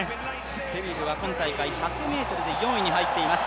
セビルは今大会１００ｍで４位に入っています。